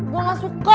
gue gak suka